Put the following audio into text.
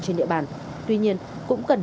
trên địa bàn tuy nhiên cũng cần